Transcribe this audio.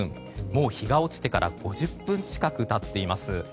もう日が落ちてから５０分近く経っています。